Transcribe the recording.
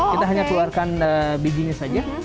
kita hanya keluarkan bijinya saja